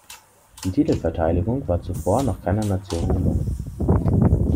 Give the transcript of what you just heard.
Die Titelverteidigung war zuvor noch keiner Nation gelungen.